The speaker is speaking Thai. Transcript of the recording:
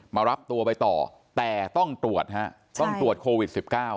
มารับตัวไปต่อแต่ต้องตรวจฮะต้องตรวจโควิด๑๙